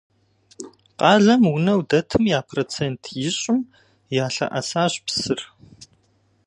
Къалэм унэу дэтым я процент ищӏым ялъэӀэсащ псыр.